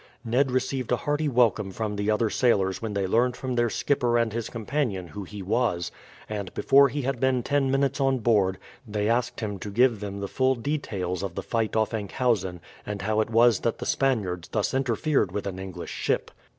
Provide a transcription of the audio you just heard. Ned received a hearty welcome from the other sailors when they learned from their skipper and his companion who he was, and before he had been ten minutes on board they asked him to give them the full details of the fight off Enkhuizen, and how it was that the Spaniards thus interfered with an English ship.